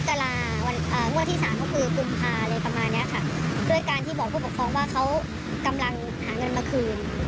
ด้วยการที่บอกผู้ปกครองว่าเขากำลังหาเงินมาคืน